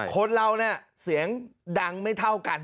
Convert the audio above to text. คนเราเนี่ยเสียงดังไม่เท่ากัน